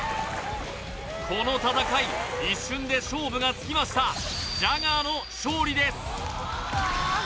この戦い一瞬で勝負がつきましたジャガーの勝利です